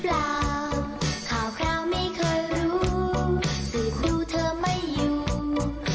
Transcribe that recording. สบายดีหรือเปล่าข่าวไม่เคยรู้ติดดูเธอไม่อยู่